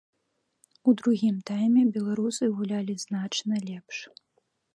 У другім тайме беларусы гулялі значна лепш.